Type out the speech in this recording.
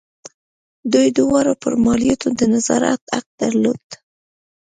دوی دواړو پر مالیاتو د نظارت حق درلود.